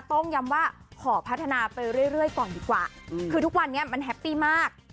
ต้องย้ำว่าขอพัฒนาไปเรื่อยก่อนดีกว่าคือทุกวันนี้มันแฮปปี้มาก